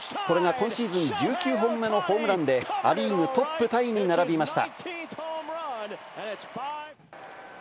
これが今シーズン１９本目のホームランでア・リーグトップタイに並びました。